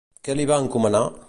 Què li va encomanar?